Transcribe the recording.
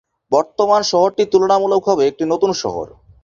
বর্তমান শহরটি তুলনামূলকভাবে একটি নতুন শহর।